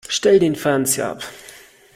Stell den Fernseher ab!